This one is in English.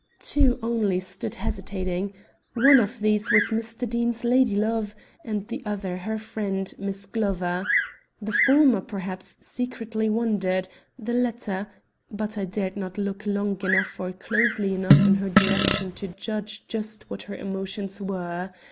Two only stood hesitating. One of these was Mr. Deane's lady love and the other her friend, Miss Glover. The former, perhaps, secretly wondered. The latter but I dared not look long enough or closely enough in her direction to judge just what her emotions were.